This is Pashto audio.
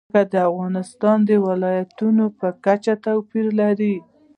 ځمکه د افغانستان د ولایاتو په کچه توپیر لري.